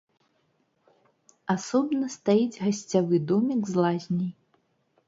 Асобна стаіць гасцявы домік з лазняй.